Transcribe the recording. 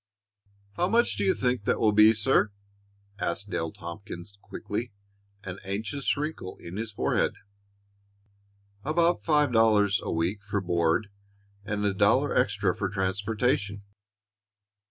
"How much do you think that will be, sir?" asked Dale Tompkins, quickly, an anxious wrinkle in his forehead. "About five dollars a week for board and a dollar extra for transportation."